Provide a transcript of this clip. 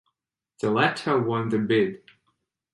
The latter won the bid.